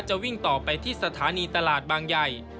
วิ่งต่อไปที่สถานีตลาดบางใหญ่